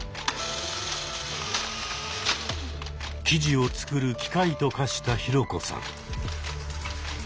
記事を作る機械と化したヒロコさん。